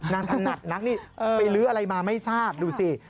ถนัดนักนี่ไปลื้ออะไรมาไม่ทราบดูสิ